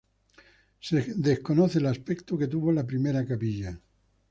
Se desconoce el aspecto que tuvo la primera capilla.